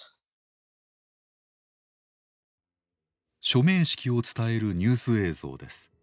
署名式を伝えるニュース映像です。